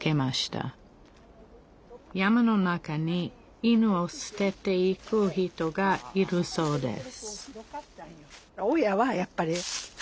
山の中に犬をすてていく人がいるそうです